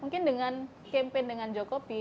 mungkin dengan campaign dengan jokopi